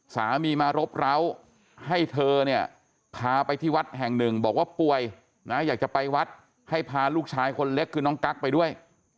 สามีมารบร้าวให้เธอเนี่ยพาไปที่วัดแห่งหนึ่งบอกว่าป่วยนะอยากจะไปวัดให้พาลูกชายคนเล็กคือน้องกั๊กไปด้วย